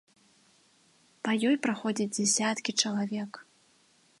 Па ёй праходзяць дзясяткі чалавек.